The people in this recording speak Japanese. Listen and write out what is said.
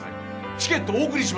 チケットお送りしますから。